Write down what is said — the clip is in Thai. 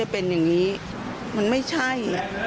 เป็นอย่างนี้มันไม่ใช่